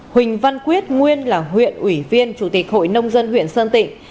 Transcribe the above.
huỳnh văn quyết nguyên là huyện ủy viên chủ tịch hội nông dân huyện sơn tịnh